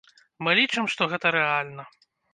Мы лічым, што гэта рэальна.